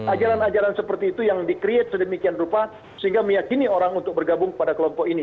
ajaran ajaran seperti itu yang di create sedemikian rupa sehingga meyakini orang untuk bergabung pada kelompok ini